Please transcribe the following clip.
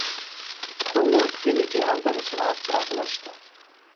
خو موږ ویني چې هلته د صنعت څرک نشته